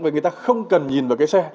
người ta không cần nhìn vào cái xe